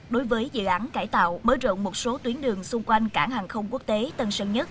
đối với dự án cải tạo mới rộng một số tuyến đường xung quanh cảng hàng không quốc tế tân sơn nhất